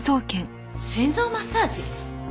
心臓マッサージ？